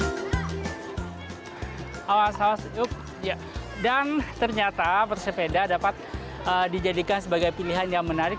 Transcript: hai awas awas yuk ya dan ternyata persepeda dapat dijadikan sebagai pilihan yang menarik